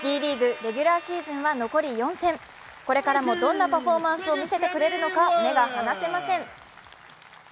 レギュラーシーズンは残り４節、これからもどんなパフォーマンスを見せてくれるのか目が離せません。